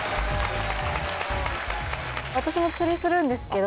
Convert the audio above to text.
私も釣りするんですけど。